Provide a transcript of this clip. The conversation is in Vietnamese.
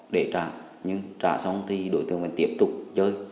để trả nhưng trả xong thì đối tượng vẫn tiếp tục chơi